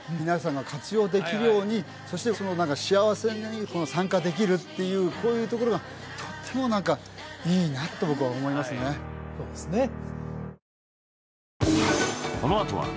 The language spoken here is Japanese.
皆さんが活用できるようにそしてその何か幸せに参加できるっていうこういうところがとっても何かいいなと僕は思いますねそうですね